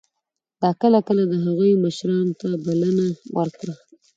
ده کله کله د هغوی مشرانو ته بلنه ورکړه.